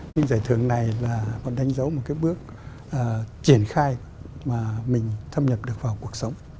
nhưng giải thưởng này là còn đánh dấu một cái bước triển khai mà mình thâm nhập được vào cuộc sống